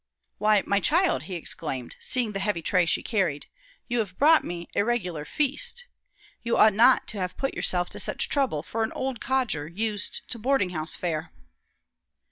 "Why, my child!" he exclaimed, seeing the heavy tray she carried, "you have brought me a regular feast. You ought not to have put yourself to such trouble for an old codger used to boarding house fare."